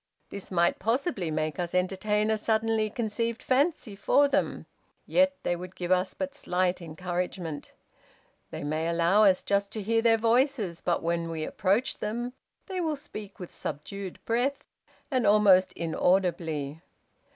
This might possibly make us entertain a suddenly conceived fancy for them; yet they would give us but slight encouragement. They may allow us just to hear their voices, but when we approach them they will speak with subdued breath, and almost inaudibly.